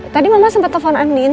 tadi mama sempat telfon andien